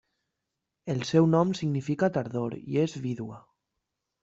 El seu nom significa tardor, i és vídua.